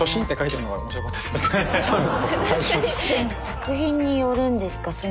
作品によるんですか？